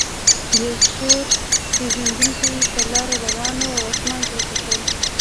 یو ستور پیژندونکی په لاره روان و او اسمان ته یې کتل.